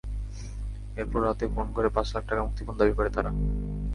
এরপর রাতে ফোন করে পাঁচ লাখ টাকা মুক্তিপণ দাবি করে তারা।